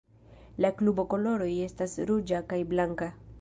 La klubo koloroj estas ruĝa kaj blanka.